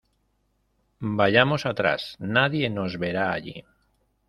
Vayamos atrás. Nadie nos verá allí .